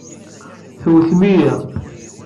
Tewtemt-iyi.